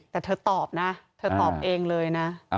แต่เธอตอบนะเธอตอบเองเลยนะ